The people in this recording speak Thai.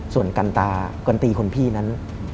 ส่วนกันตากันตีคนพี่นั้น